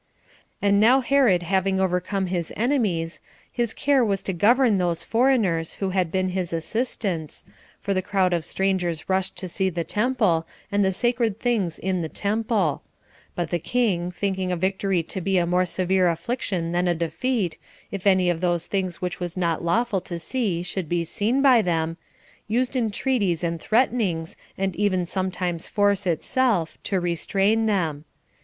3. And now Herod having overcome his enemies, his care was to govern those foreigners who had been his assistants, for the crowd of strangers rushed to see the temple, and the sacred things in the temple; but the king, thinking a victory to be a more severe affliction than a defeat, if any of those things which it was not lawful to see should be seen by them, used entreaties and threatenings, and even sometimes force itself, to restrain them.